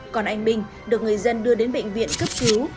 còn anh bình được người dân đưa đến bệnh viện cấp cứu